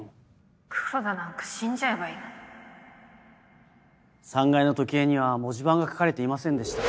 黒田なんか死んじゃえばいい３階の時計には文字盤が書かれていませんでした。